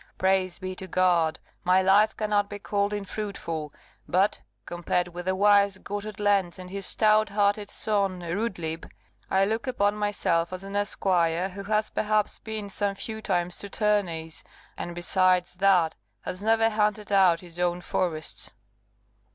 Praise be to God, my life cannot be called unfruitful; but, compared with the wise Gotthard Lenz and his stout hearted son Rudlieb, I look upon myself as an esquire who has perhaps been some few times to tourneys, and, besides that, has never hunted out his own forests.